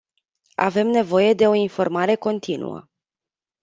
Avem nevoie de o informare continuă.